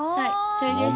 それです。